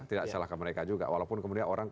tidak bisa disalahkan mereka juga walaupun kemudian orang